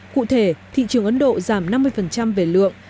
cụ thể thị trường ấn độ giảm năm mươi về lượng